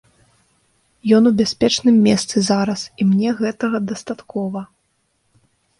Ён у бяспечным месцы зараз, і мне гэтага дастаткова.